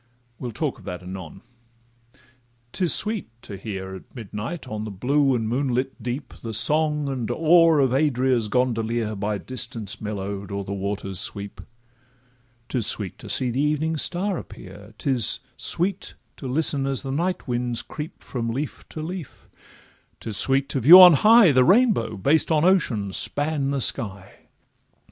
We'll talk of that anon.—'Tis sweet to hear At midnight on the blue and moonlit deep The song and oar of Adria's gondolier, By distance mellow'd, o'er the waters sweep; 'Tis sweet to see the evening star appear; 'Tis sweet to listen as the night winds creep From leaf to leaf; 'tis sweet to view on high The rainbow, based on ocean, span the sky.